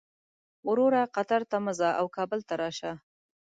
وروره قطر ته مه ځه او کابل ته راشه.